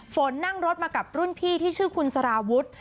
ฝนนั่งรถมากับรุ่นพี่ที่ชื่อคุณสารวุฒิ